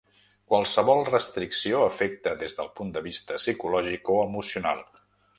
Qualsevol restricció afecta des del punt de vista psicològic o emocional.